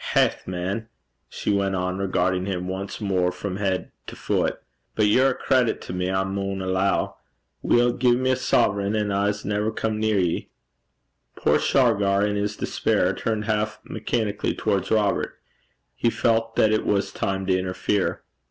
Haith, man!' she went on, regarding him once more from head to foot, 'but ye're a credit to me, I maun alloo. Weel, gie me a sovereign, an' I s' never come near ye.' Poor Shargar in his despair turned half mechanically towards Robert. He felt that it was time to interfere.